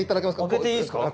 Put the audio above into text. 開けていいですか？